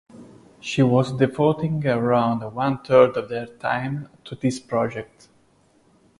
She was devoting around one third of her time to this project.